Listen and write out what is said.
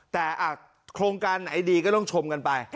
แต่โครงการไหนดีก็ต้องชมกันไป